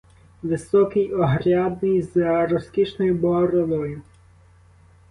Високий, огрядний, з розкішною бородою.